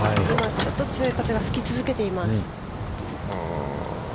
ちょっと強い風が吹き続けています。